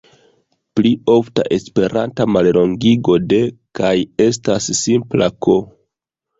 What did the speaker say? Pli ofta esperanta mallongigo de "kaj" estas simpla "k".